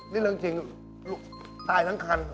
นี่เรื่องจริงตายทั้งคัน